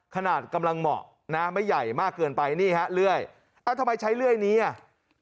ขนาดกำลังเหมาะนะไม่ใหญ่มากเกินไปนี่ฮะเลื่อยเอ้าทำไมใช้เลื่อยนี้อ่ะ